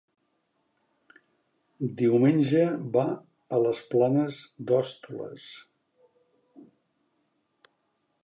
Diumenge va a les Planes d'Hostoles.